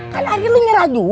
kamu juga menyerah